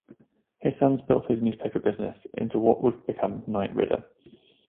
His sons built his newspaper business into what would become Knight Ridder.